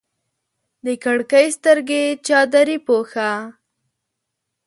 د کړکۍ سترګې چادرې پوښه